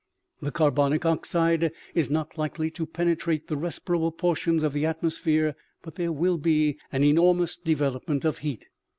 The carbonic oxide is not likely to penetrate the respirable portions of the atmosphere, but there will be an enormous development of heat.